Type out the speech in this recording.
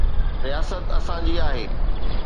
رياست اسان جي آهي.